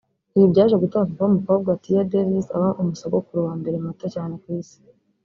Ibi byaje gutuma papa w’umukobwa Tia Davies aba umu sogokuru wa mbere muto cyane ku isi